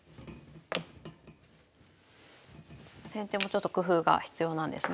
先手もちょっと工夫が必要なんですね。